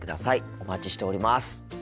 お待ちしております。